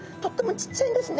ちっちゃいですね。